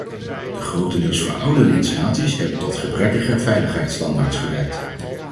De grotendeels verouderde installaties hebben tot gebrekkige veiligheidsstandaards geleid.